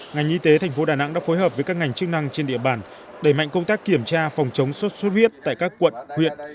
ngành y tế thành phố đà nẵng đã phối hợp với các ngành chức năng trên địa bàn đẩy mạnh công tác kiểm tra phòng chống sốt xuất huyết tại các quận huyện